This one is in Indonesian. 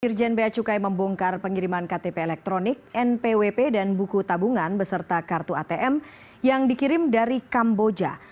irjen bacukai membongkar pengiriman ktp elektronik npwp dan buku tabungan beserta kartu atm yang dikirim dari kamboja